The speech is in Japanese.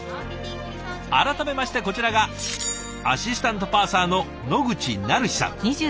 改めましてこちらがアシスタントパーサーの野口愛陽さん。